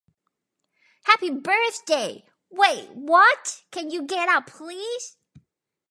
Happy birthday! Wait what? Can you get out please?